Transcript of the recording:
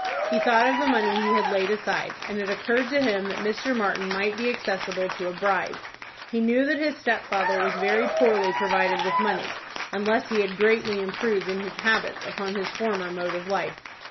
He thought of the money he had laid aside, and it occurred to him that Mr. Martin might be accessible to a bribe. He knew that his stepfather was very poorly provided with money, unless he had greatly improved in his habits upon his former mode of life.